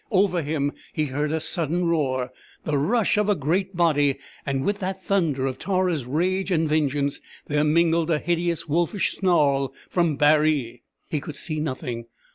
_" Over him he heard a sudden roar, the rush of a great body and with that thunder of Tara's rage and vengeance there mingled a hideous, wolfish snarl from Baree. He could see nothing.